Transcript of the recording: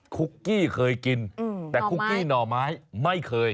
คุกกี้เคยกินแต่คุกกี้หน่อไม้ไม่เคย